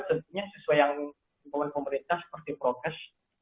tentunya sesuai yang pemerintah seperti prokes